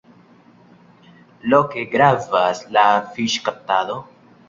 Loke gravas la fiŝkaptado.